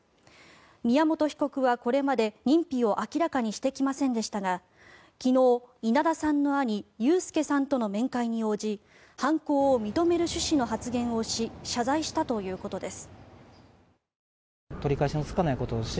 宮本被告はこれまで認否を明らかにしてきませんでしたが昨日、稲田さんの兄雄介さんとの面会に応じ犯行を認める趣旨の発言をし謝罪したということです。